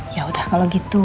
yaudah kalau gitu